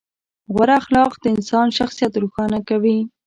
غوره اخلاق د انسان شخصیت روښانه کوي.